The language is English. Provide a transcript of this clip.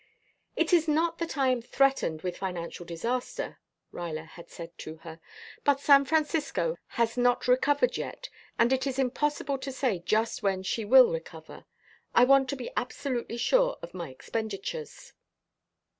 "It is not that I am threatened with financial disaster," Ruyler had said to her. "But San Francisco has not recovered yet, and it is impossible to say just when she will recover. I want to be absolutely sure of my expenditures."